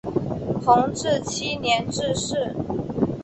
弘治七年致仕。